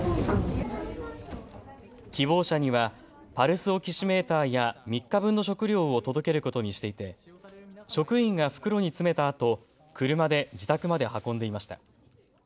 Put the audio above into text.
希望者にはパルスオキシメーターや３日分の食料を届けることにしていて職員が袋に詰めたあと車で自宅まで運んでいました。